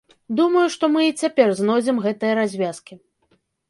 Думаю, што мы і цяпер знойдзем гэтыя развязкі.